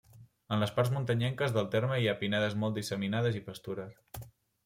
En les parts muntanyenques del terme hi ha pinedes molt disseminades i pastures.